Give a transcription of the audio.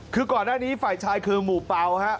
คือก่อนหน้านี้ฝ่ายชายคือหมู่เปล่าฮะ